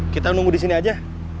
kita nunggu disini aja